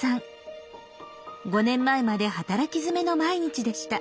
５年前まで働きづめの毎日でした。